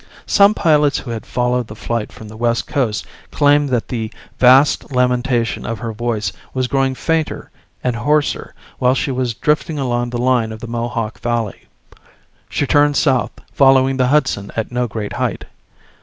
Some pilots who had followed the flight from the West Coast claimed that the vast lamentation of her voice was growing fainter and hoarser while she was drifting along the line of the Mohawk Valley. She turned south, following the Hudson at no great height.